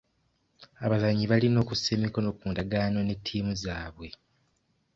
Abazannyi balina okussa emikono ku ndagaano ne ttiimu zaabwe.